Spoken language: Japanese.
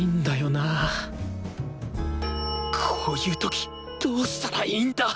こういう時どうしたらいいんだ！？